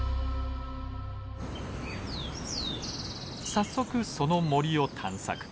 早速その森を探索。